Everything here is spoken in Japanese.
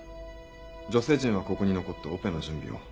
女性陣はここに残ってオペの準備を。